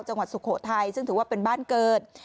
สุโขทัยซึ่งถือว่าเป็นบ้านเกิด